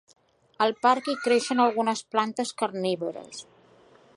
Al parc hi creixen algunes plantes carnívores.